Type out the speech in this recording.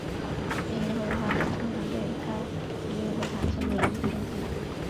病愈后的患者通常对该疾病会产生免疫抗性。